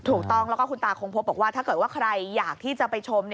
ถูกต้องแล้วก็คุณตาคงพบบอกว่าถ้าเกิดว่าใครอยากที่จะไปชม